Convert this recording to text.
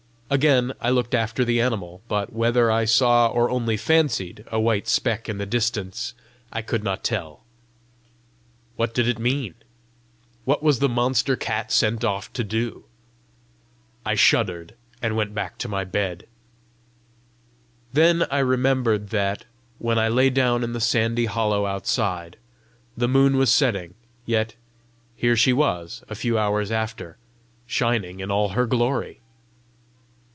Again I looked after the animal, but whether I saw or only fancied a white speck in the distance, I could not tell. What did it mean? What was the monster cat sent off to do? I shuddered, and went back to my bed. Then I remembered that, when I lay down in the sandy hollow outside, the moon was setting; yet here she was, a few hours after, shining in all her glory!